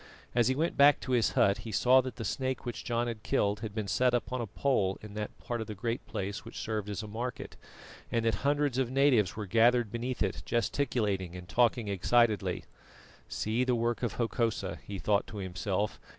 As he went back to his hut he saw that the snake which John had killed had been set upon a pole in that part of the Great Place which served as a market, and that hundreds of natives were gathered beneath it gesticulating and talking excitedly. "See the work of Hokosa," he thought to himself.